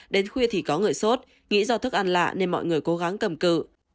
đến khuya thì có người sốt nghĩ do thức ăn lạ nên mọi người cố gắng cầm cự